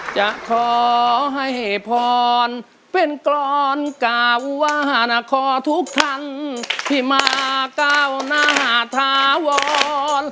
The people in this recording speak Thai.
จะขอให้พรเป็นกรรมกาวว่าขอทุกท่านที่มาเก้าหน้าทะวอน